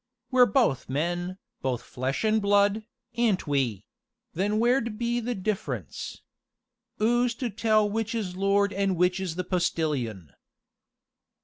We're both men, both flesh and blood, a'n't we? then where 'd be the difference? 'Oo's to tell which is the lord an' which is the postilion?"